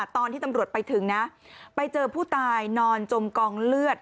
ตอนที่ตำรวจไปถึงนะไปเจอผู้ตายนอนจมกองเลือด